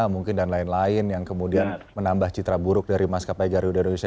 mungkin dan lain lain yang kemudian menambah citra buruk dari maskapai garuda indonesia